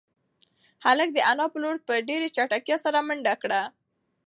هلک د انا په لور په ډېرې چټکتیا سره منډه کړه.